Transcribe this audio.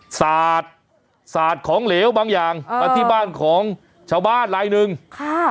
สาดสาดของเหลวบางอย่างมาที่บ้านของชาวบ้านลายหนึ่งค่ะ